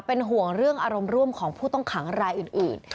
เป็นห่วงเรื่องอารมณ์ร่วมของผู้ต้องขังรายอื่น